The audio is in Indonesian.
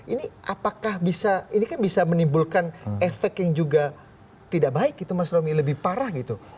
ini apakah bisa ini kan bisa menimbulkan efek yang juga tidak baik gitu mas romi lebih parah gitu